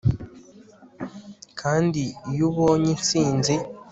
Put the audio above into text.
kandi iyo ubonye intsinzi